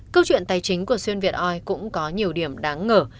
câu chuyện tài chính của xuyên việt oil cũng có nhiều điểm đáng ngờ